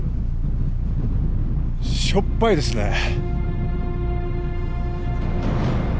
しょっぱいですね。